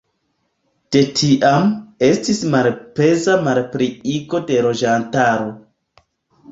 De tiam, estis malpeza malpliigo de loĝantaro.